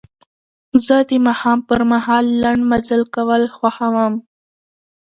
زه د ماښام پر مهال لنډ مزل کول خوښوم.